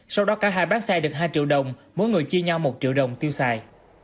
sau đó cả hai bán xe được hai triệu đồng mỗi người chia nhau một triệu đồng tiêu xài